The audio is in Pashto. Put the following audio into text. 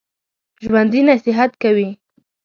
ژوندي نصیحت کوي